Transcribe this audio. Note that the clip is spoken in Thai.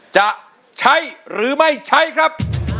จะใช้หรือไม่ใช้ครับ